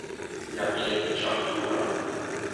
Ilaq-iyi ad ččeɣ tura.